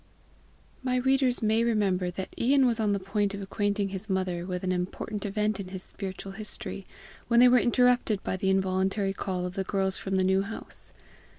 My readers may remember that Ian was on the point of acquainting his mother with an important event in his spiritual history, when they were interrupted by the involuntary call of the girls from the New House.